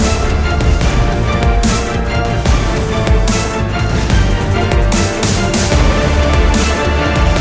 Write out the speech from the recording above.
รายการต่อไปนี้เหมาะสำหรับผู้ชมที่มีอายุ๑๓ปีควรได้รับคำแนะนำ